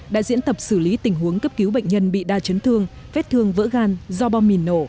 đã diễn tập xử lý tình huống cấp cứu bệnh nhân bị đa chấn thương vết thương vỡ gan do bom mìn nổ